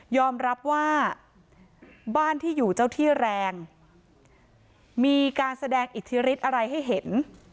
รับว่าบ้านที่อยู่เจ้าที่แรงมีการแสดงอิทธิฤทธิ์อะไรให้เห็น